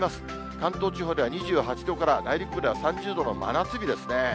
関東地方では２８度から、内陸部では３０度の真夏日ですね。